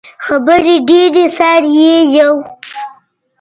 خبرې ډیرې، سر یی یو